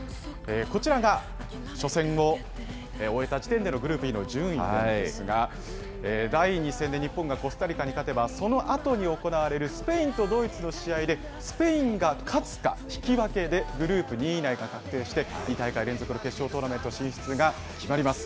こちらが初戦を終えた時点でのグループＥの順位なんですが、第２戦で日本がコスタリカに勝てば、そのあとに行われるスペインとドイツの試合でスペインが勝つか引き分けでグループ２位以内が確定して２大会連続の決勝トーナメント進出が決まります。